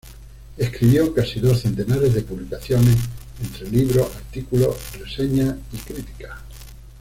Escribió casi dos centenares de publicaciones, entre libros, artículos, reseñas y críticas.